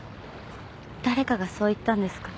誰かがそう言ったんですか？